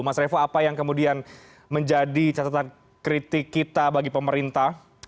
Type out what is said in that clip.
mas revo apa yang kemudian menjadi catatan kritik kita bagi pemerintah